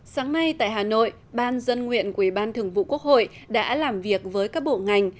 sáng nay tại hà nội ban dân nguyện của ủy ban thường vụ quốc hội đã làm việc với các bộ ngành